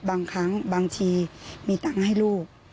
บางครั้งบางทีมีตังค์ให้ลูก